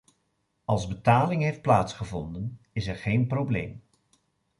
Als betaling heeft plaatsgevonden, is er geen probleem.